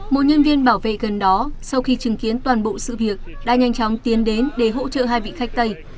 một nhân viên bảo vệ gần đó sau khi chứng kiến toàn bộ sự việc đã nhanh chóng tiến đến để hỗ trợ hai vị khách tây